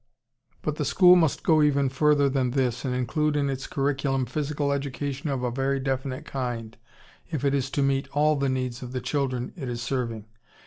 But the school must go even further than this and include in its curriculum physical education of a very definite kind if it is to meet all the needs of the children it is serving.